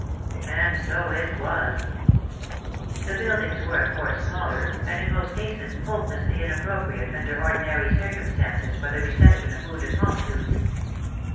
And so it was. The buildings were of course smaller, and in most cases hopelessly inappropriate under 48 WAR AND WOMEN 49 ordinary circumstances for the reception of v/ounded multitudes.